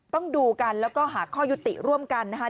ต้องดูกันแล้วก็หาข้อยุติร่วมกันนะคะ